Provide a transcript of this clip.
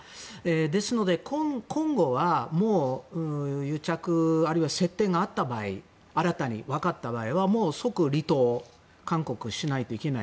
ですので、今後は癒着あるいは接点があった場合新たに分かった場合はもう即離党勧告しないといけない